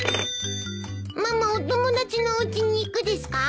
ママお友達のおうちに行くですか？